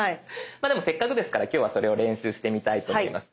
まあでもせっかくですから今日はそれを練習してみたいと思います。